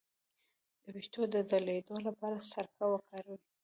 د ویښتو د ځلیدو لپاره سرکه وکاروئ